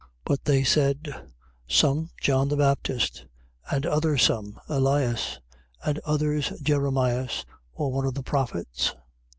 16:14. But they said: Some John the Baptist, and other some Elias, and others Jeremias, or one of the prophets.